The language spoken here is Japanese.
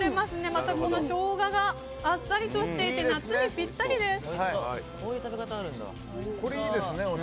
また、このショウガがあっさりとしていて夏にぴったりです。